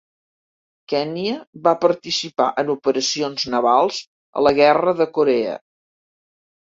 "Kenya" va participar en operacions navals a la Guerra de Corea.